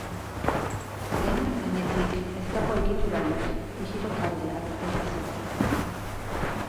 Leinuen gainetik ez dago egiturarik, ijito taldeak erlazionatzeko.